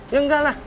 ya enggak lah